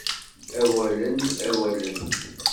Awalen, awalen...